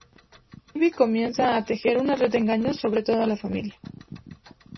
Ivy comienza a tejer una red de engaños sobre toda la familia.